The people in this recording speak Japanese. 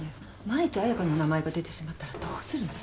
万一綾香の名前が出てしまったらどうするの？